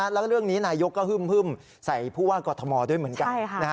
แล้วเรื่องนี้นายกก็ฮึ่มใส่ผู้ว่ากอทมด้วยเหมือนกัน